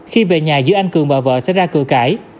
khi về nhà giữa anh cường và vợ sẽ ra cửa cãi